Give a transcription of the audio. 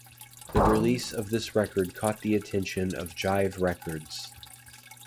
The release of this record caught the attention of Jive Records.